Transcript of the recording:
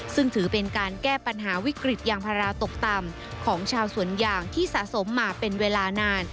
ซึ่งถือเป็นการแก้ปัญหาวิกฤตยางพาราตกต่ำของชาวสวนยางที่สะสมมาเป็นเวลานาน